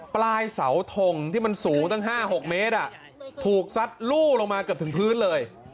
ปลายเสาทงที่มันสูงตั้ง๕๖เมตรถูกซัดลู่ลงมาเกือบถึงพื้นเลย